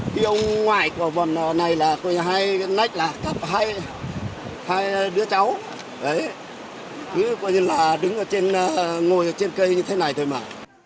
khi ông ngoại của bản này là hai đứa cháu cứ đứng ngồi trên cây như thế này thôi mà